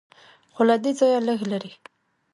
خو له دې ځایه لږ لرې.